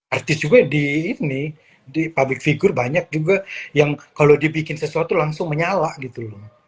artis juga di ini di public figure banyak juga yang kalau dibikin sesuatu langsung menyala gitu loh